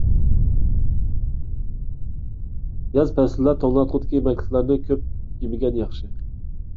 ياز پەسلىدە توڭلاتقۇدىكى يېمەكلىكلەرنى كۆپ يېمىگەن ياخشى.